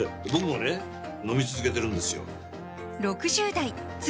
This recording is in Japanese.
飲み続けてるんですよ